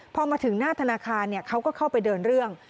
พอมาถึงหน้าธนาคารเขาก็เข้าไปเดินเรื่อง